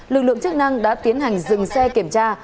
lực lượng chức năng đã tiến hành dừng xe kiểm tra